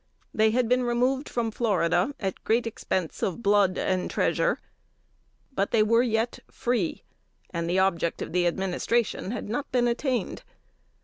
They had been removed from Florida at great expense of blood and treasure; but they were yet free, and the object of the Administration had not been attained.